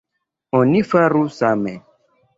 Oni faru same.